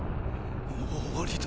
もう終わりだ。